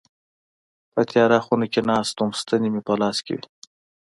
په تياره خونه کي ناست وم ستني مي په لاس کي وي.